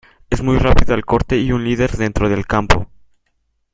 Es muy rápido al corte y un líder dentro del campo.